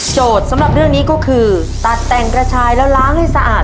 สำหรับเรื่องนี้ก็คือตัดแต่งกระชายแล้วล้างให้สะอาด